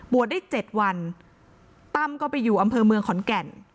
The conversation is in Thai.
ได้๗วันตั้มก็ไปอยู่อำเภอเมืองขอนแก่น